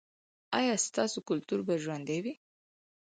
ایا ستاسو کلتور به ژوندی وي؟